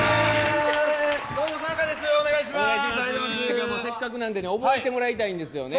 今日もせっかくなんで覚えてもらいたいんですよね。